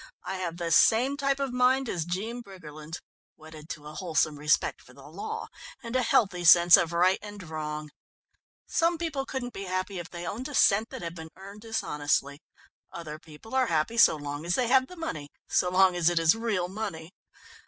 "I have the same type of mind as Jean Briggerland's, wedded to a wholesome respect for the law, and a healthy sense of right and wrong. Some people couldn't be happy if they owned a cent that had been earned dishonestly; other people are happy so long as they have the money so long as it is real money.